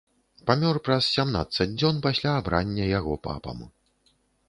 Памёр праз сямнаццаць дзён пасля абрання яго папам.